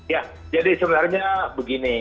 ya jadi sebenarnya begini